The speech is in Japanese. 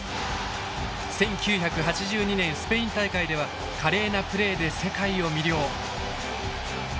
１９８２年スペイン大会では華麗なプレーで世界を魅了。